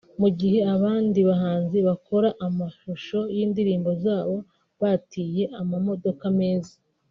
Mu gihe abandi bahanzi bakora amashusho y’indirimbo zabo batiye amamodoka meza